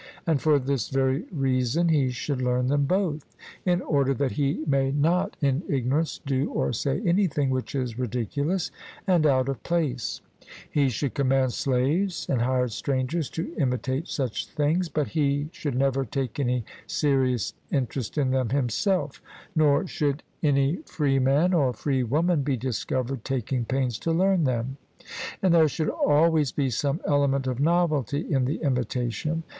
And for this very reason he should learn them both, in order that he may not in ignorance do or say anything which is ridiculous and out of place he should command slaves and hired strangers to imitate such things, but he should never take any serious interest in them himself, nor should any freeman or freewoman be discovered taking pains to learn them; and there should always be some element of novelty in the imitation.